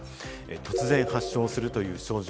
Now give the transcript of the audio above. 突然発症するという症状。